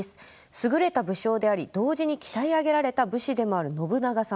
優れた武将であり同時に鍛え上げられた武士でもある信長様。